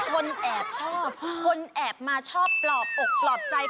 คนแอบชอบคนแอบมาชอบปลอบอกปลอบใจ